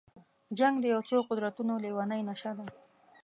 جنګ د یو څو قدرتونو لېونۍ نشه ده.